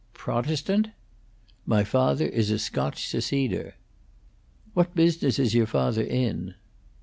"Protestant?" "My father is a Scotch Seceder." "What business is your father in?"